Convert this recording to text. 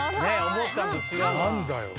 思ったのと違う。